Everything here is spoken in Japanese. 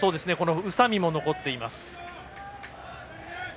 宇佐見も残っています。